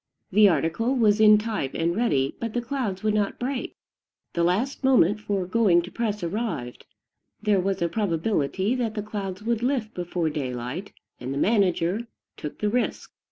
The article was in type and ready; but the clouds would not break. The last moment for going to press arrived: there was a probability that the clouds would lift before daylight and the manager took the risk.